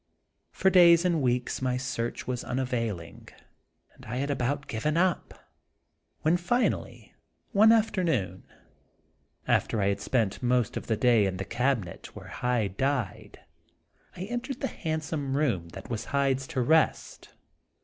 For days and weeks my search was unavailing, and I had about given up, when finally one afternoon, after Dr. Jekyll and Mr. Hyde. 25 I had spent most of the day in the cabinet where Hyde died, I entered the handsome room that was Hyde's to rest.